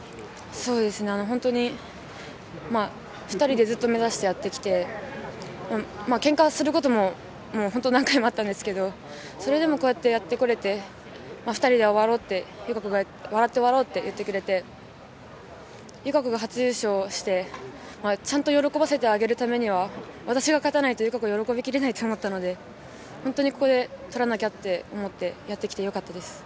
そうですね、本当に２人でずっと目指してやってきて、けんかすることも本当、何回もあったんですけど、それでもこうやってやってこれて、２人で終わろうって、友香子が、笑って終わろうって言ってくれ、友香子が初優勝して、ちゃんと喜ばせてあげるためには、私が勝たないと友香子、喜びきれないと思ったので、本当にここでとらなきゃって思ってやって来てよかったです。